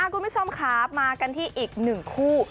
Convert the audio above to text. คุณผู้ชมค่ะมากันที่อีกหนึ่งคู่